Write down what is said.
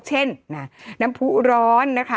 เช่นน้ำผู้ร้อนนะคะ